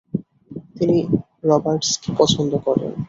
তিনি রবার্টসকে পছন্দ করেন।